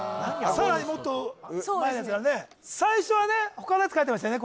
さらにもっと前ですからね最初はね他のやつ書いてましたよね